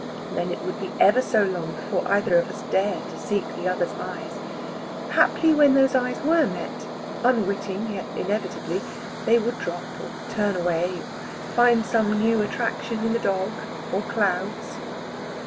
Then it would be ever so long before either of us dared to seek the other's eyes. Haply when those eyes were met unwitting yet inevitably they would drop, or turn away, or find some new attraction in the dog or clouds.